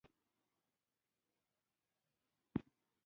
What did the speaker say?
د زړه ملک ته بده رخنه پیدا شي.